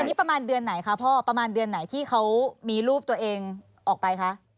นี่ประมาณเดือนไหนคะพ่อประมาณเดือนไหนที่เขามีรูปตัวเองออกไปคะ